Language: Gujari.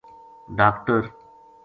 ڈاکٹر